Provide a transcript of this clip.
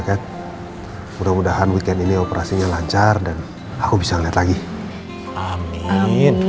ke mudah mudahan weekend ini operasinya lancar dan aku bisa lihat lagi amin amin amin amin